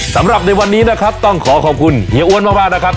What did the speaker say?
สำหรับในวันนี้นะครับต้องขอขอบคุณเฮียอ้วนมากนะครับ